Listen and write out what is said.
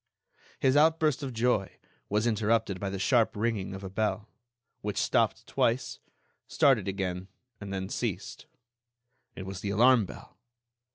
His outburst of joy was interrupted by the sharp ringing of a bell, which stopped twice, started again and then ceased. It was the alarm bell.